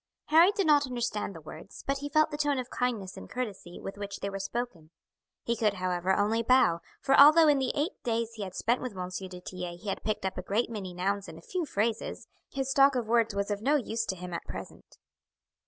Harry did not understand the words, but he felt the tone of kindness and courtesy with which they were spoken. He could, however, only bow; for although in the eight days he had spent with M. du Tillet he had picked up a great many nouns and a few phrases, his stock of words was of no use to him at present.